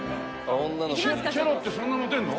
チェロってそんなモテるの？